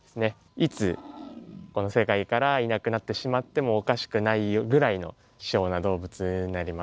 いつこの世界からいなくなってしまってもおかしくないぐらいの希少な動物になります。